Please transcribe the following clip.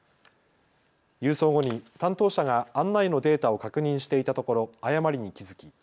郵送後に担当者が案内のデータを確認していたところ誤りに気付き